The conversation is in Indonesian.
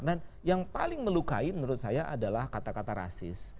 yang paling melukai menurut saya adalah kata kata rasis